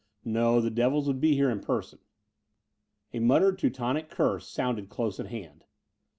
No, the devils would be here in person. A muttered Teutonic curse sounded close at hand.